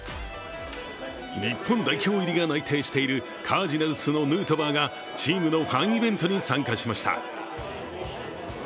日本代表入りが内定しているカージナルスのヌートバーがチームのファンイベントに参加しました。